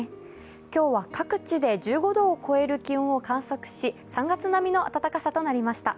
今日は各地で１５度を超える気温を観測し３月並みの暖かさとなりました。